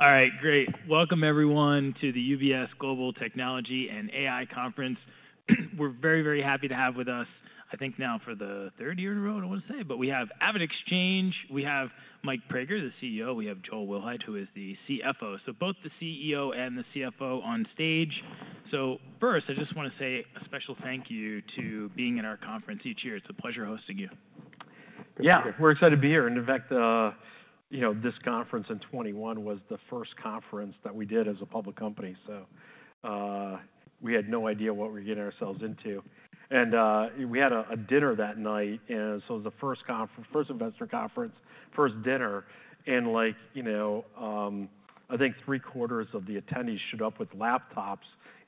All right, great. Welcome, everyone, to the UBS Global Technology and AI Conference. We're very, very happy to have with us, I think now for the third year in a row, I want to say, but we have AvidXchange, we have Mike Praeger, the CEO, we have Joel Wilhite, who is the CFO, so both the CEO and the CFO on stage, so first, I just want to say a special thank you to being in our conference each year. It's a pleasure hosting you. Yeah, we're excited to be here. And in fact, this conference in 2021 was the first conference that we did as a public company. So we had no idea what we were getting ourselves into. And we had a dinner that night. And so it was the first conference, first investor conference, first dinner. And like, you know, I think three quarters of the attendees stood up with laptops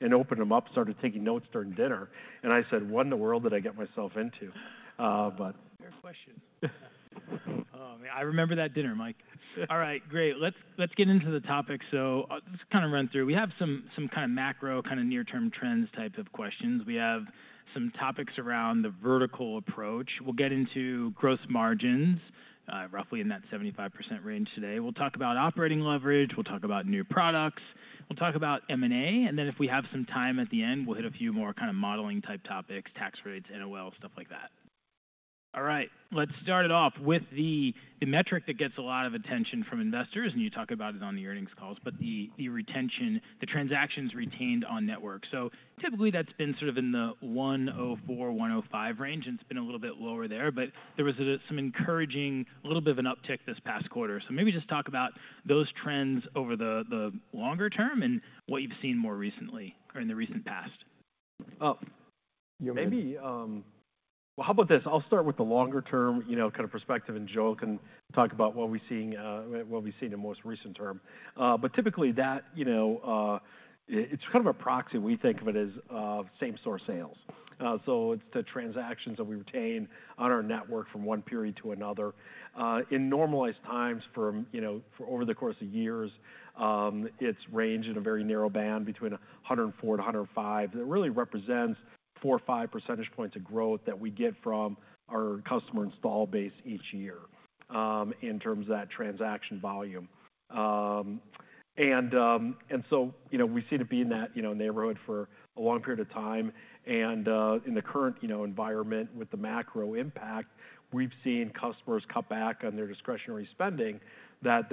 and opened them up, started taking notes during dinner. And I said, "What in the world did I get myself into?" But. Fair question. I remember that dinner, Mike. All right, great. Let's get into the topic. So let's kind of run through. We have some kind of macro, kind of near-term trends type of questions. We have some topics around the vertical approach. We'll get into gross margins, roughly in that 75% range today. We'll talk about operating leverage. We'll talk about new products. We'll talk about M&A, and then if we have some time at the end, we'll hit a few more kind of modeling type topics, tax rates, NOL, stuff like that. All right, let's start it off with the metric that gets a lot of attention from investors, and you talk about it on the earnings calls, but the retention, the transactions retained on network. So typically that's been sort of in the 104%-105% range. And it's been a little bit lower there. But there was some encouraging, a little bit of an uptick this past quarter. So maybe just talk about those trends over the longer term and what you've seen more recently or in the recent past. Oh. Maybe. Well, how about this? I'll start with the longer-term kind of perspective. And Joel can talk about what we've seen in most recent term. But typically that, you know, it's kind of a proxy. We think of it as same-store sales. So it's the transactions that we retain on our network from one period to another. In normalized times for over the course of years, it's ranged in a very narrow band between 104%-105%. That really represents four or five percentage points of growth that we get from our customer install base each year in terms of that transaction volume. And so we see it being that neighborhood for a long period of time. And in the current environment with the macro impact, we've seen customers cut back on their discretionary spending. That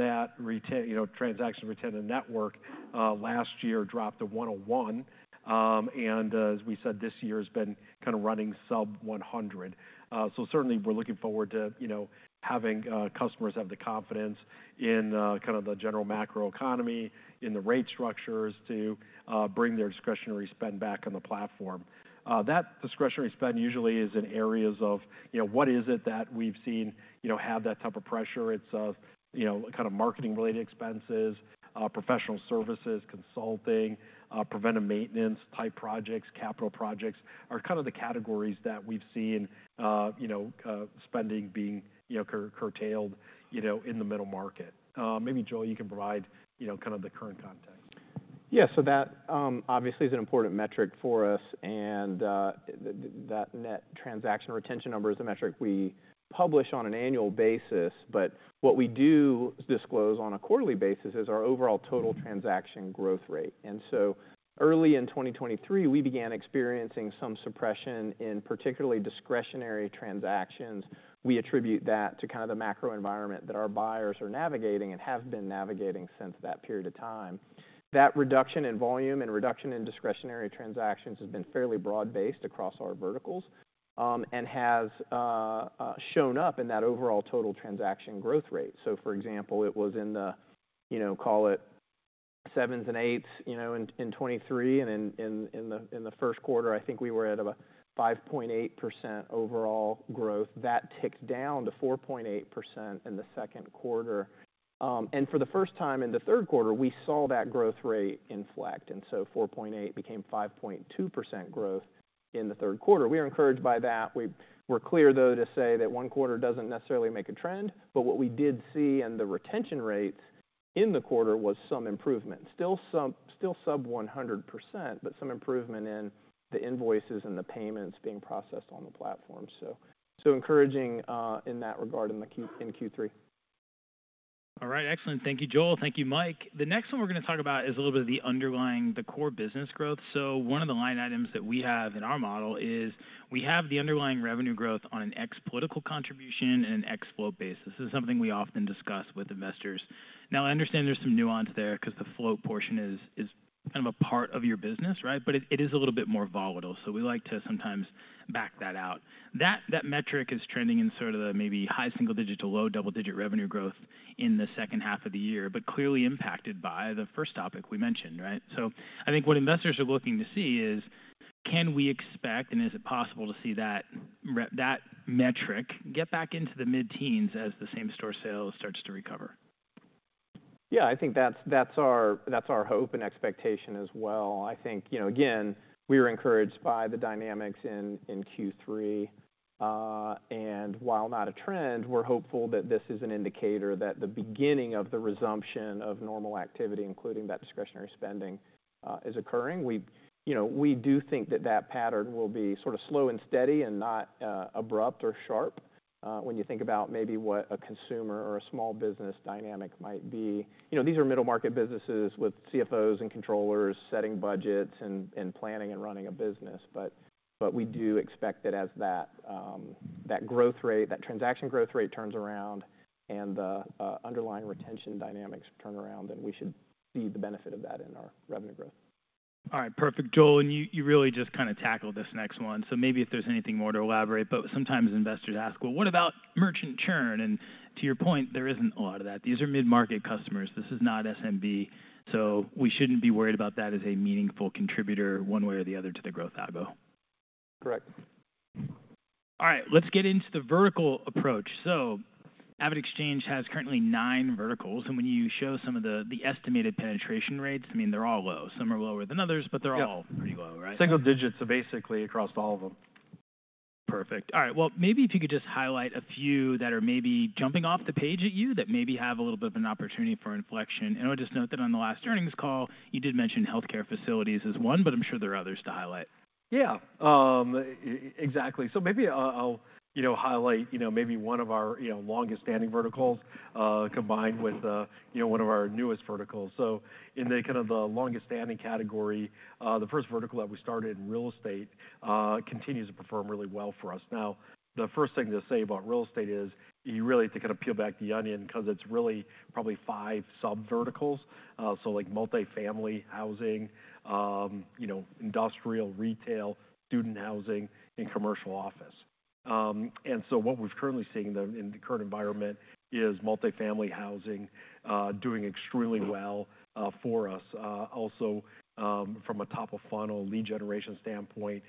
transaction retained on network last year dropped to 101%. As we said, this year has been kind of running sub-100. Certainly we're looking forward to having customers have the confidence in kind of the general macro economy, in the rate structures to bring their discretionary spend back on the platform. That discretionary spend usually is in areas of what is it that we've seen have that type of pressure. It's kind of marketing-related expenses, professional services, consulting, preventive maintenance type projects, capital projects are kind of the categories that we've seen spending being curtailed in the middle market. Maybe Joel, you can provide kind of the current context. Yeah, so that obviously is an important metric for us. And that net transaction retention number is a metric we publish on an annual basis. But what we do disclose on a quarterly basis is our overall total transaction growth rate. And so early in 2023, we began experiencing some suppression in particularly discretionary transactions. We attribute that to kind of the macro environment that our buyers are navigating and have been navigating since that period of time. That reduction in volume and reduction in discretionary transactions has been fairly broad-based across our verticals and has shown up in that overall total transaction growth rate. So for example, it was in the, call it sevens and eights in 2023. And in the first quarter, I think we were at about 5.8% overall growth. That ticked down to 4.8% in the second quarter. For the first time in the third quarter, we saw that growth rate inflect. So 4.8% became 5.2% growth in the third quarter. We are encouraged by that. We're clear, though, to say that one quarter doesn't necessarily make a trend, but what we did see in the retention rates in the quarter was some improvement. Still sub-100%, but some improvement in the invoices and the payments being processed on the platform, so encouraging in that regard in Q3. All right, excellent. Thank you, Joel. Thank you, Mike. The next one we're going to talk about is a little bit of the underlying, the core business growth. So one of the line items that we have in our model is we have the underlying revenue growth on an ex-political contribution and an ex-float basis. This is something we often discuss with investors. Now, I understand there's some nuance there because the float portion is kind of a part of your business, right? But it is a little bit more volatile. So we like to sometimes back that out. That metric is trending in sort of the maybe high single digit to low double digit revenue growth in the second half of the year, but clearly impacted by the first topic we mentioned, right? So I think what investors are looking to see is can we expect and is it possible to see that metric get back into the mid-teens as the same-store sales starts to recover? Yeah, I think that's our hope and expectation as well. I think, you know, again, we are encouraged by the dynamics in Q3. And while not a trend, we're hopeful that this is an indicator that the beginning of the resumption of normal activity, including that discretionary spending, is occurring. We do think that that pattern will be sort of slow and steady and not abrupt or sharp when you think about maybe what a consumer or a small business dynamic might be. You know, these are middle market businesses with CFOs and controllers setting budgets and planning and running a business. But we do expect that as that growth rate, that transaction growth rate turns around and the underlying retention dynamics turn around, then we should see the benefit of that in our revenue growth. All right, perfect. Joel, and you really just kind of tackled this next one, so maybe if there's anything more to elaborate, but sometimes investors ask, well, what about merchant churn, and to your point, there isn't a lot of that. These are mid-market customers. This is not SMB, so we shouldn't be worried about that as a meaningful contributor one way or the other to the growth algo. Correct. All right, let's get into the vertical approach. So AvidXchange has currently nine verticals. And when you show some of the estimated penetration rates, I mean, they're all low. Some are lower than others, but they're all pretty low, right? Single digits are basically across all of them. Perfect. All right, well, maybe if you could just highlight a few that are maybe jumping off the page at you that maybe have a little bit of an opportunity for inflection, and I'll just note that on the last earnings call, you did mention healthcare facilities as one, but I'm sure there are others to highlight. Yeah, exactly. So maybe I'll highlight maybe one of our longest-standing verticals combined with one of our newest verticals. In kind of the longest-standing category, the first vertical that we started in real estate continues to perform really well for us. Now, the first thing to say about real estate is you really have to kind of peel back the onion because it's really probably five sub-verticals. Like multifamily housing, industrial, retail, student housing, and commercial office. What we've currently seen in the current environment is multifamily housing doing extremely well for us. Also, from a top-of-funnel lead generation standpoint,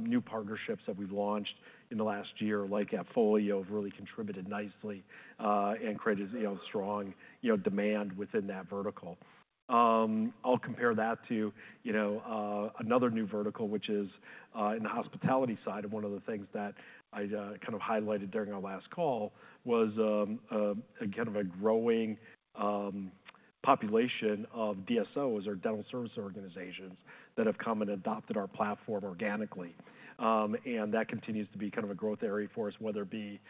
new partnerships that we've launched in the last year, like AppFolio, have really contributed nicely and created strong demand within that vertical. I'll compare that to another new vertical, which is in the hospitality side. One of the things that I kind of highlighted during our last call was kind of a growing population of DSOs or dental service organizations that have come and adopted our platform organically. That continues to be kind of a growth area for us, whether it be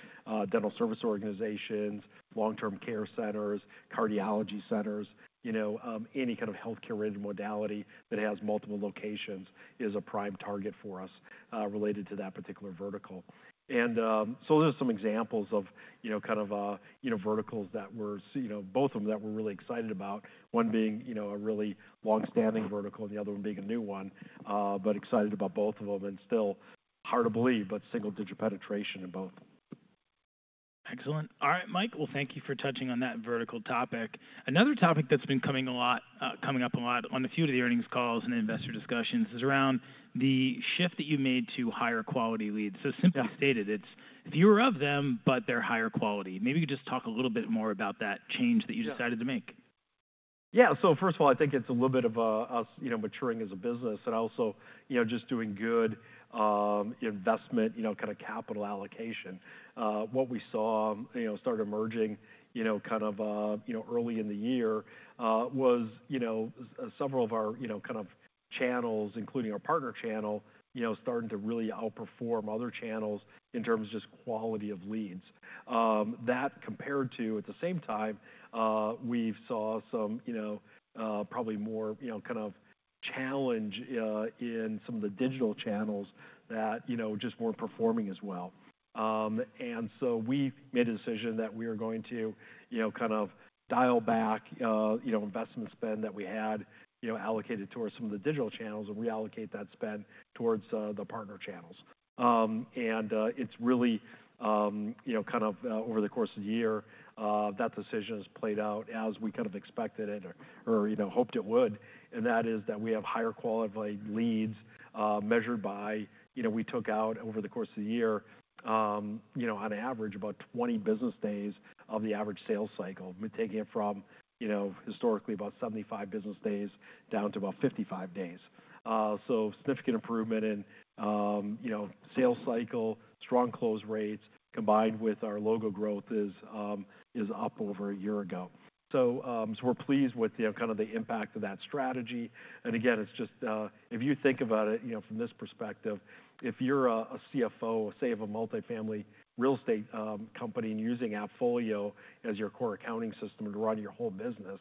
dental service organizations, long-term care centers, cardiology centers, any kind of healthcare-related modality that has multiple locations is a prime target for us related to that particular vertical. Those are some examples of kind of verticals that we're both of them that we're really excited about, one being a really long-standing vertical and the other one being a new one. Excited about both of them and still hard to believe, but single-digit penetration in both. Excellent. All right, Mike, well, thank you for touching on that vertical topic. Another topic that's been coming up a lot on a few of the earnings calls and investor discussions is around the shift that you made to higher quality leads. So simply stated, it's fewer of them, but they're higher quality. Maybe you could just talk a little bit more about that change that you decided to make. Yeah, so first of all, I think it's a little bit of maturing as a business and also just doing good investment, kind of capital allocation. What we saw start emerging kind of early in the year was several of our kind of channels, including our partner channel, starting to really outperform other channels in terms of just quality of leads. That, compared to, at the same time, we saw some probably more kind of challenge in some of the digital channels that just weren't performing as well, and so we made a decision that we were going to kind of dial back investment spend that we had allocated towards some of the digital channels and reallocate that spend towards the partner channels, and it's really kind of over the course of the year, that decision has played out as we kind of expected it or hoped it would. That is that we have higher quality leads measured by we took out over the course of the year, on average, about 20 business days of the average sales cycle, taking it from historically about 75 business days down to about 55 days. Significant improvement in sales cycle, strong close rates combined with our logo growth is up over a year ago. We're pleased with kind of the impact of that strategy. Again, it's just if you think about it from this perspective, if you're a CFO, say, of a multifamily real estate company and using AppFolio as your core accounting system to run your whole business,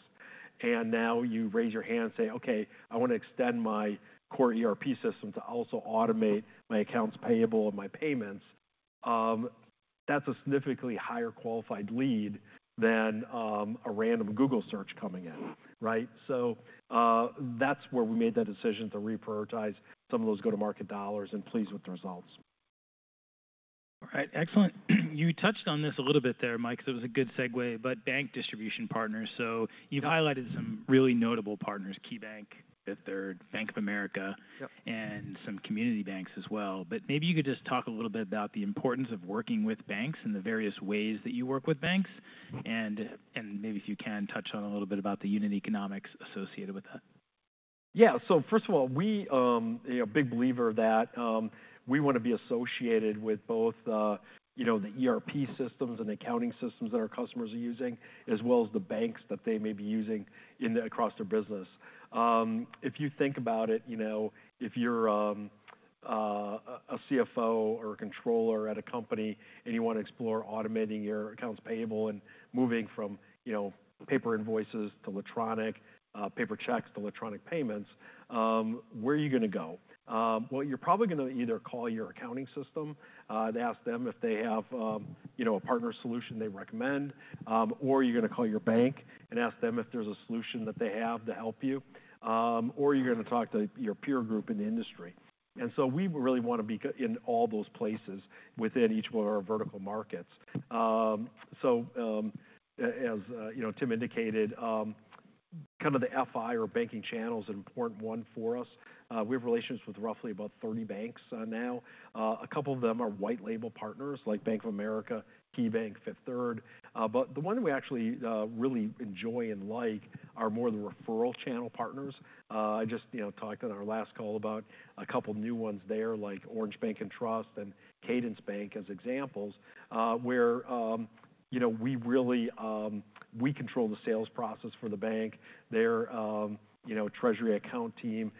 and now you raise your hand and say, "Okay, I want to extend my core ERP system to also automate my accounts payable and my payments," that's a significantly higher qualified lead than a random Google search coming in, right, so that's where we made that decision to reprioritize some of those go-to-market dollars and pleased with the results. All right, excellent. You touched on this a little bit there, Mike, because it was a good segue, but bank distribution partners, so you've highlighted some really notable partners, KeyBank, Bank of America, and some community banks as well. But maybe you could just talk a little bit about the importance of working with banks and the various ways that you work with banks, and maybe if you can touch on a little bit about the unit economics associated with that. Yeah, so first of all, we are a big believer that we want to be associated with both the ERP systems and accounting systems that our customers are using, as well as the banks that they may be using across their business. If you think about it, if you're a CFO or a controller at a company and you want to explore automating your accounts payable and moving from paper invoices to electronic paper checks to electronic payments, where are you going to go? Well, you're probably going to either call your accounting system and ask them if they have a partner solution they recommend, or you're going to call your bank and ask them if there's a solution that they have to help you, or you're going to talk to your peer group in the industry. And so we really want to be in all those places within each one of our vertical markets. So as Tim indicated, kind of the FI or banking channel is an important one for us. We have relations with roughly about 30 banks now. A couple of them are white label partners like Bank of America, KeyBank, Fifth Third. But the one that we actually really enjoy and like are more of the referral channel partners. I just talked on our last call about a couple of new ones there, like Orange Bank and Trust and Cadence Bank as examples, where we really control the sales process for the bank. Their treasury account team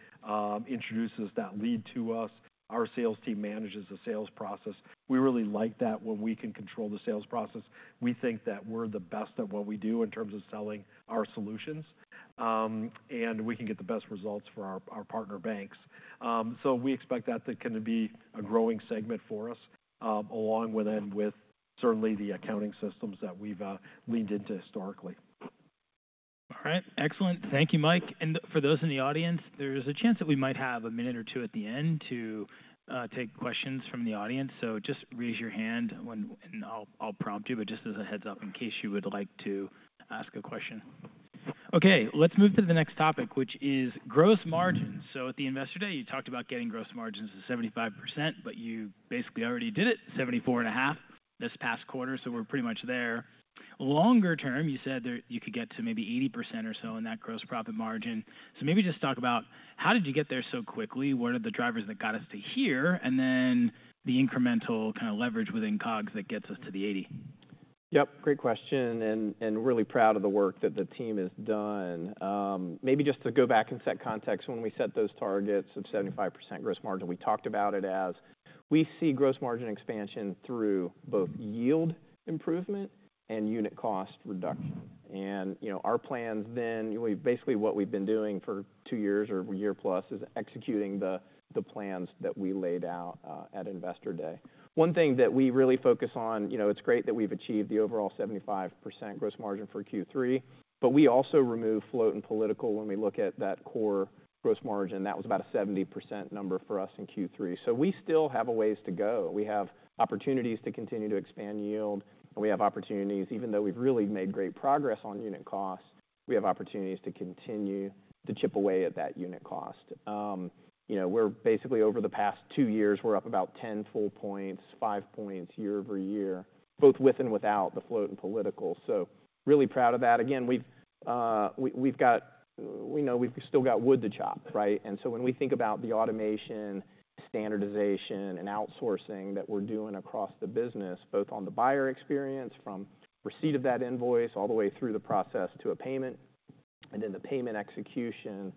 introduces that lead to us. Our sales team manages the sales process. We really like that when we can control the sales process. We think that we're the best at what we do in terms of selling our solutions, and we can get the best results for our partner banks. So we expect that to kind of be a growing segment for us, along with certainly the accounting systems that we've leaned into historically. All right, excellent. Thank you, Mike. And for those in the audience, there is a chance that we might have a minute or two at the end to take questions from the audience. So just raise your hand, and I'll prompt you. But just as a heads up, in case you would like to ask a question. Okay, let's move to the next topic, which is gross margins. So at the investor day, you talked about getting gross margins to 75%, but you basically already did it, 74.5% this past quarter. So we're pretty much there. Longer term, you said you could get to maybe 80% or so in that gross profit margin. So maybe just talk about how did you get there so quickly? What are the drivers that got us to here? And then the incremental kind of leverage within COGS that gets us to the 80? Yep, great question, and really proud of the work that the team has done. Maybe just to go back and set context, when we set those targets of 75% gross margin, we talked about it as we see gross margin expansion through both yield improvement and unit cost reduction, and our plans then, basically what we've been doing for two years or a year plus is executing the plans that we laid out at investor day. One thing that we really focus on, it's great that we've achieved the overall 75% gross margin for Q3, but we also remove float and payables when we look at that core gross margin. That was about a 70% number for us in Q3, so we still have a ways to go, we have opportunities to continue to expand yield. We have opportunities, even though we've really made great progress on unit costs. We have opportunities to continue to chip away at that unit cost. We're basically over the past two years. We're up about 10 full points, five points year over year, both with and without the float and P&L. So really proud of that. Again, we've got. We know we've still got wood to chop, right? And so when we think about the automation, standardization, and outsourcing that we're doing across the business, both on the buyer experience from receipt of that invoice all the way through the process to a payment and then the payment execution,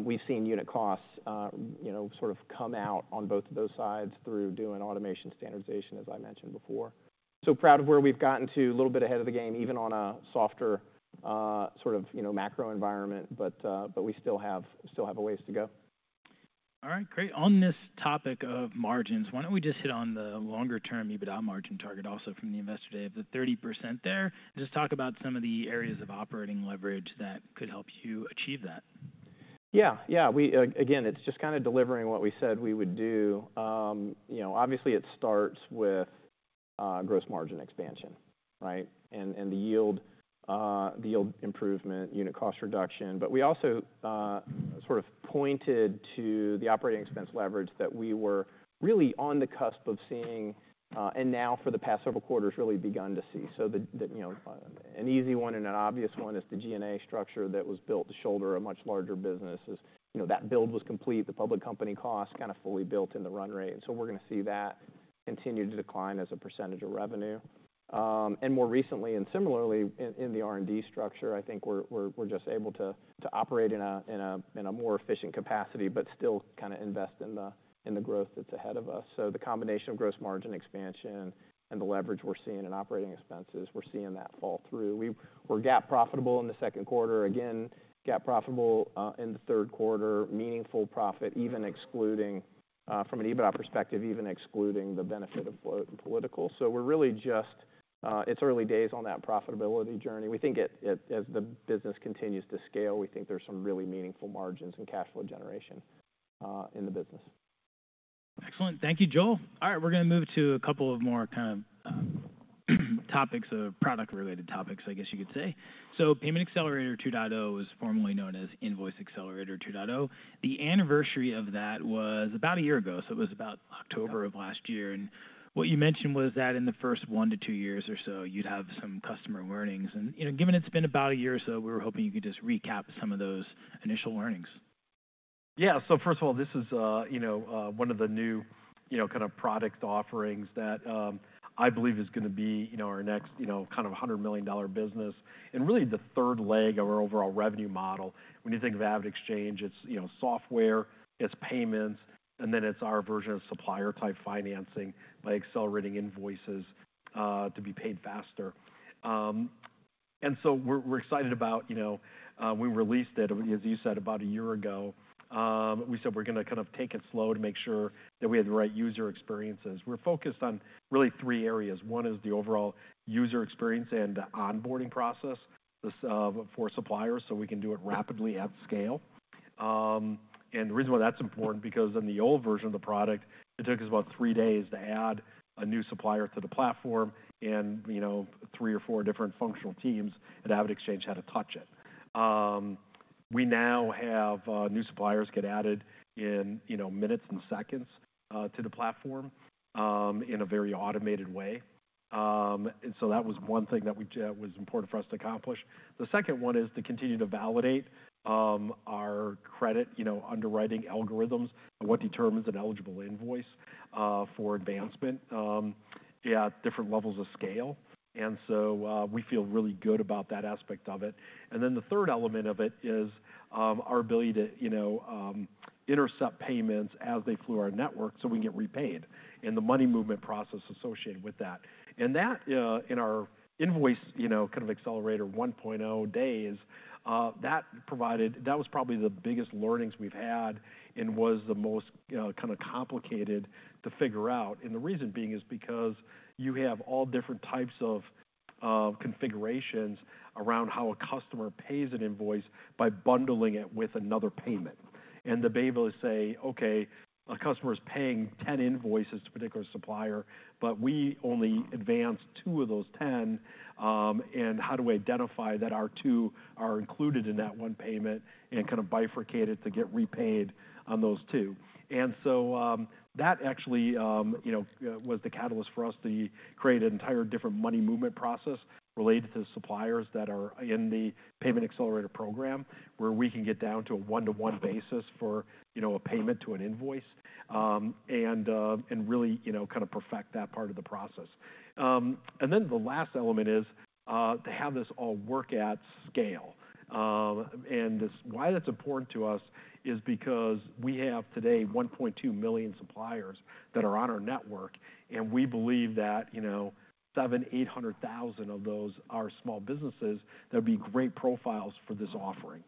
we've seen unit costs sort of come out on both of those sides through doing automation standardization, as I mentioned before. So proud of where we've gotten to, a little bit ahead of the game, even on a softer sort of macro environment, but we still have a ways to go. All right, great. On this topic of margins, why don't we just hit on the longer-term EBITDA margin target also from the investor day of the 30% there and just talk about some of the areas of operating leverage that could help you achieve that? Yeah, yeah. Again, it's just kind of delivering what we said we would do. Obviously, it starts with gross margin expansion, right? And the yield improvement, unit cost reduction. But we also sort of pointed to the operating expense leverage that we were really on the cusp of seeing and now for the past several quarters really begun to see. So an easy one and an obvious one is the G&A structure that was built to shoulder a much larger business. That build was complete, the public company costs kind of fully built in the run rate. And so we're going to see that continue to decline as a percentage of revenue. And more recently, and similarly in the R&D structure, I think we're just able to operate in a more efficient capacity, but still kind of invest in the growth that's ahead of us. The combination of gross margin expansion and the leverage we're seeing in operating expenses. We're seeing that fall through. We were GAAP profitable in the second quarter, again, GAAP profitable in the third quarter, meaningful profit, even excluding from an EBITDA perspective, even excluding the benefit of float and political. We're really just, it's early days on that profitability journey. We think as the business continues to scale, we think there's some really meaningful margins and cash flow generation in the business. Excellent. Thank you, Joel. All right, we're going to move to a couple of more kind of product-related topics, I guess you could say. So Payment Accelerator 2.0 was formerly known as Invoice Accelerator 2.0. The anniversary of that was about a year ago. So it was about October of last year. And what you mentioned was that in the first one to two years or so, you'd have some customer learnings. And given it's been about a year or so, we were hoping you could just recap some of those initial learnings. Yeah, so first of all, this is one of the new kind of product offerings that I believe is going to be our next kind of $100 million business and really the third leg of our overall revenue model. When you think of AvidXchange, it's software, it's payments, and then it's our version of supplier-type financing by accelerating invoices to be paid faster. And so we're excited about, we released it, as you said, about a year ago. We said we're going to kind of take it slow to make sure that we have the right user experiences. We're focused on really three areas. One is the overall user experience and onboarding process for suppliers so we can do it rapidly at scale. And the reason why that's important is because in the old version of the product, it took us about three days to add a new supplier to the platform and three or four different functional teams at AvidXchange had to touch it. We now have new suppliers get added in minutes and seconds to the platform in a very automated way. And so that was one thing that was important for us to accomplish. The second one is to continue to validate our credit underwriting algorithms and what determines an eligible invoice for advancement at different levels of scale. And so we feel really good about that aspect of it. And then the third element of it is our ability to intercept payments as they flow through our network so we can get repaid and the money movement process associated with that. That in our Invoice Accelerator 1.0 days, that was probably the biggest learnings we've had and was the most kind of complicated to figure out. The reason being is because you have all different types of configurations around how a customer pays an invoice by bundling it with another payment. The behavior is, say, "Okay, a customer is paying 10 invoices to a particular supplier, but we only advanced two of those 10. And how do we identify that our two are included in that one payment and kind of bifurcate it to get repaid on those two?" And so that actually was the catalyst for us to create an entire different money movement process related to suppliers that are in the Payment Accelerator program, where we can get down to a one-to-one basis for a payment to an invoice and really kind of perfect that part of the process. And then the last element is to have this all work at scale. And why that's important to us is because we have today 1.2 million suppliers that are on our network, and we believe that 700,000-800,000 of those are small businesses that would be great profiles for this offering.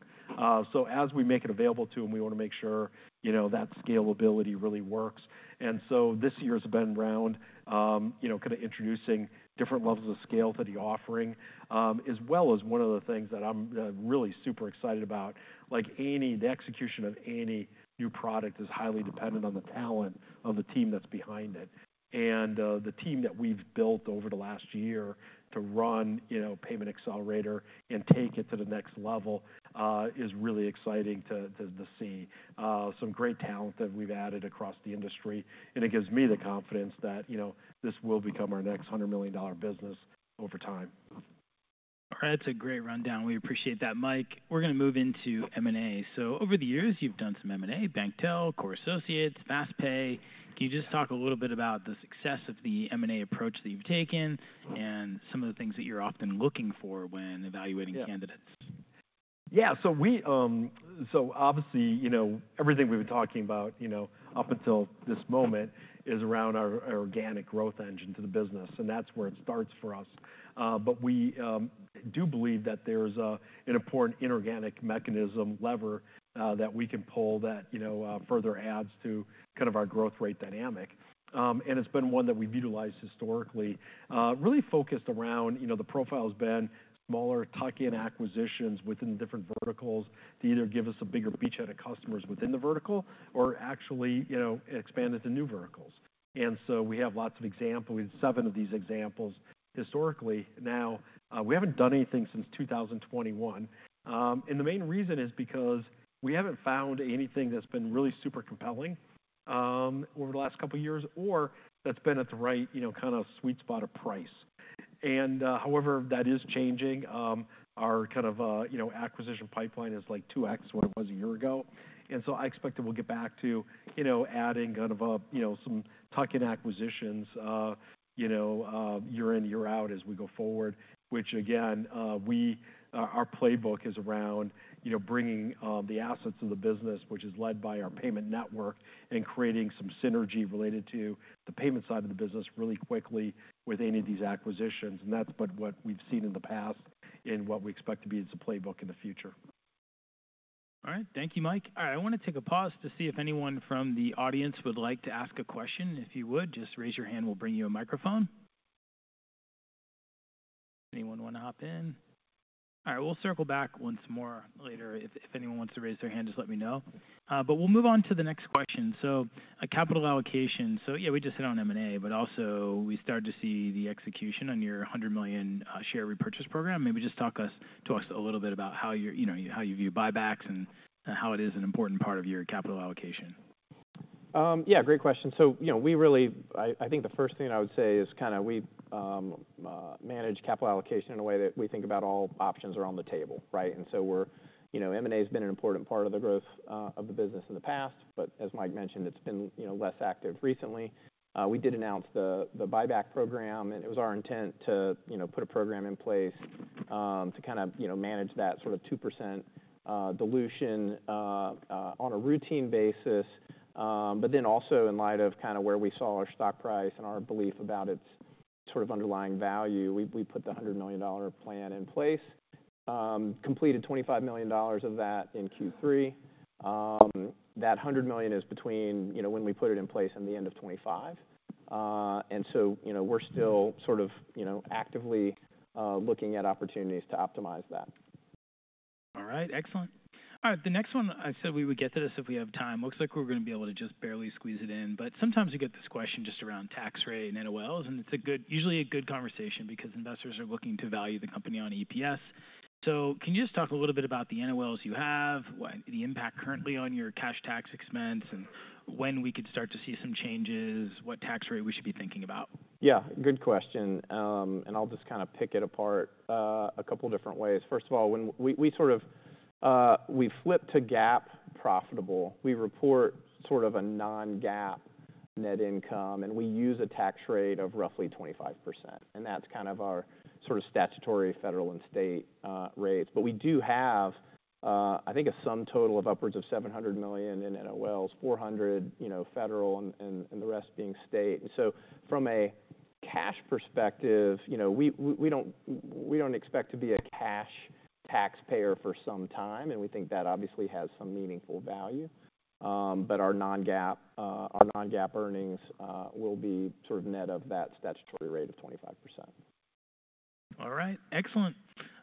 So as we make it available to them, we want to make sure that scalability really works. And so this year has been around kind of introducing different levels of scale to the offering, as well as one of the things that I'm really super excited about, like the execution of any new product is highly dependent on the talent of the team that's behind it. And the team that we've built over the last year to run Payment Accelerator and take it to the next level is really exciting to see. Some great talent that we've added across the industry. And it gives me the confidence that this will become our next $100 million business over time. All right, that's a great rundown. We appreciate that, Mike. We're going to move into M&A. So over the years, you've done some M&A, BankTEL, Core Associates, FastPay. Can you just talk a little bit about the success of the M&A approach that you've taken and some of the things that you're often looking for when evaluating candidates? Yeah, so obviously, everything we've been talking about up until this moment is around our organic growth engine to the business, and that's where it starts for us. But we do believe that there's an important inorganic mechanism lever that we can pull that further adds to kind of our growth rate dynamic. And it's been one that we've utilized historically, really focused around the profile has been smaller tuck-in acquisitions within different verticals to either give us a bigger beachhead of customers within the vertical or actually expand into new verticals. And so we have lots of examples. We have seven of these examples historically. Now, we haven't done anything since 2021. And the main reason is because we haven't found anything that's been really super compelling over the last couple of years or that's been at the right kind of sweet spot of price. However, that is changing. Our kind of acquisition pipeline is like 2X what it was a year ago. And so I expect that we'll get back to adding kind of some tuck-in acquisitions year in, year out as we go forward, which again, our playbook is around bringing the assets of the business, which is led by our payment network, and creating some synergy related to the payment side of the business really quickly with any of these acquisitions. And that's what we've seen in the past and what we expect to be as a playbook in the future. All right, thank you, Mike. All right, I want to take a pause to see if anyone from the audience would like to ask a question. If you would, just raise your hand. We'll bring you a microphone. Anyone want to hop in? All right, we'll circle back once more later. If anyone wants to raise their hand, just let me know. But we'll move on to the next question. So capital allocation. So yeah, we just hit on M&A, but also we started to see the execution on your $100 million share repurchase program. Maybe just talk to us a little bit about how you view buybacks and how it is an important part of your capital allocation. Yeah, great question. So I think the first thing I would say is kind of we manage capital allocation in a way that we think about all options around the table, right? And so M&A has been an important part of the growth of the business in the past, but as Mike mentioned, it's been less active recently. We did announce the buyback program, and it was our intent to put a program in place to kind of manage that sort of 2% dilution on a routine basis. But then also in light of kind of where we saw our stock price and our belief about its sort of underlying value, we put the $100 million plan in place, completed $25 million of that in Q3. That $100 million is between when we put it in place and the end of 2025. We're still sort of actively looking at opportunities to optimize that. All right, excellent. All right, the next one, I said we would get to this if we have time. Looks like we're going to be able to just barely squeeze it in. But sometimes we get this question just around tax rate and NOLs, and it's usually a good conversation because investors are looking to value the company on EPS. So can you just talk a little bit about the NOLs you have, the impact currently on your cash tax expense, and when we could start to see some changes, what tax rate we should be thinking about? Yeah, good question. I'll just kind of pick it apart a couple of different ways. First of all, we flip to GAAP profitable. We report sort of a non-GAAP net income, and we use a tax rate of roughly 25%. That's kind of our sort of statutory federal and state rates. But we do have, I think, a sum total of upwards of $700 million in NOLs, $400 federal, and the rest being state. From a cash perspective, we don't expect to be a cash taxpayer for some time, and we think that obviously has some meaningful value. But our non-GAAP earnings will be sort of net of that statutory rate of 25%. All right, excellent.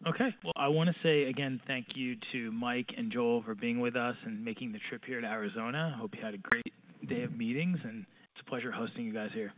Okay, well, I want to say again, thank you to Mike and Joel for being with us and making the trip here to Arizona. I hope you had a great day of meetings, and it's a pleasure hosting you guys here.